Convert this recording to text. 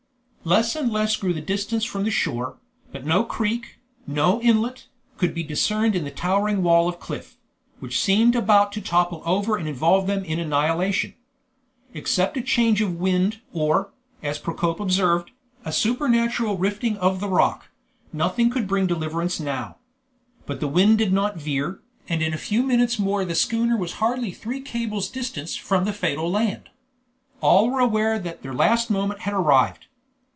Less and less grew the distance from the shore, but no creek, no inlet, could be discerned in the towering wall of cliff, which seemed about to topple over and involve them in annihilation. Except a change of wind or, as Procope observed, a supernatural rifting of the rock, nothing could bring deliverance now. But the wind did not veer, and in a few minutes more the schooner was hardly three cables' distance from the fatal land. All were aware that their last moment had arrived.